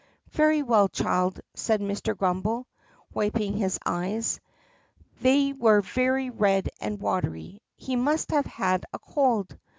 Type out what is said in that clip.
"Very well, child," said Mr. Grummbel, wiping his eyes. They were very red and watery. He must have had a cold.